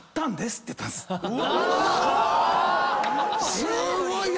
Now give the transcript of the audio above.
すごいな！